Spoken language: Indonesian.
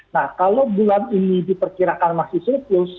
nah kalau bulan ini diperkirakan masih surplus